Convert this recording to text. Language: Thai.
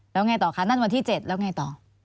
แล้วไงต่อคะนั่นวันที่๗แล้วไงต่อ